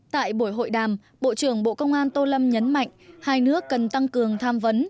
tại buổi hội đàm bộ trưởng bộ công an tô lâm nhấn mạnh hai nước cần tăng cường tham vấn